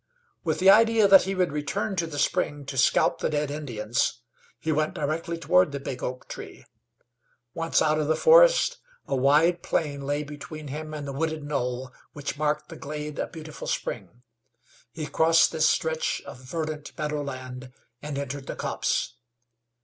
With the idea that he would return to the spring to scalp the dead Indians, he went directly toward the big oak tree. Once out of the forest a wide plain lay between him and the wooded knoll which marked the glade of Beautiful Spring. He crossed this stretch of verdant meadow land, and entered the copse.